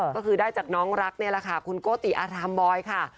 ก็คือได้จากน้องรักนี่แหละค่ะคุณโกติอารามบอยค่ะ